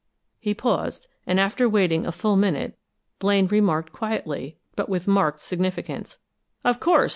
He paused, and after waiting a full minute, Blaine remarked, quietly, but with marked significance: "Of course.